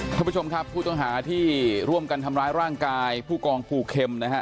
ท่านผู้ชมครับผู้ต้องหาที่ร่วมกันทำร้ายร่างกายผู้กองปูเข็มนะฮะ